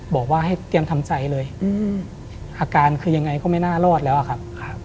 บอกว่าให้เตรียมทำใจเลยอาการคือยังไงก็ไม่น่ารอดแล้วอะครับ